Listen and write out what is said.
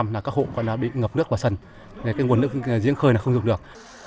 tám mươi là các hộp nó bị ngập nước vào sân cái nguồn nước diễn khơi nó không dùng được